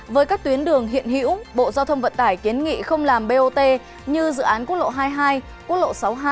với các tuyến đường hiện hữu bộ giao thông vận tải kiến nghị không làm bot như dự án quốc lộ hai mươi hai quốc lộ sáu mươi hai